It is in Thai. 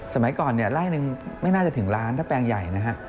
สมัยก่อนรายหนึ่งไม่น่าจะถึงล้านถ้าแปลงใหญ่